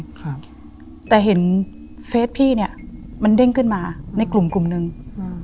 ครับแต่เห็นเฟสพี่เนี้ยมันเด้งขึ้นมาในกลุ่มกลุ่มหนึ่งอืม